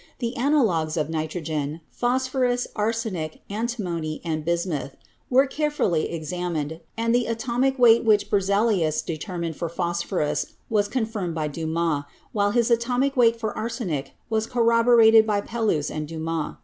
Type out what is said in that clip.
The analogues of nitrogen — phos phorus, arsenic, antimony and bismuth — were carefully ex amined, and the atomic weight which Berzelius deter mined for phosphorus was confirmed by Dumas, while his atomic weight for arsenic was corroborated by Pelouze and Dumas.